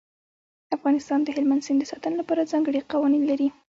افغانستان د هلمند سیند د ساتنې لپاره ځانګړي قوانین لري.